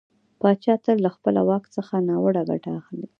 پاچا تل له خپله واک څخه ناوړه ګټه اخلي .